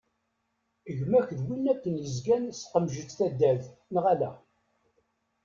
Gma-k d win akken yezgan s tqemjet tadalt, neɣ ala?